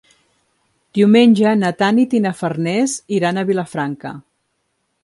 Diumenge na Tanit i na Farners iran a Vilafranca.